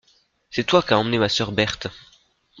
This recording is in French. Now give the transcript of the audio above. C'est toi qu'as emmené ma sœur Berthe.